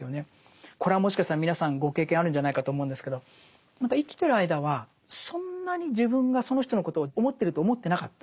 これはもしかしたら皆さんご経験あるんじゃないかと思うんですけど何か生きてる間はそんなに自分がその人のことを思ってると思ってなかった。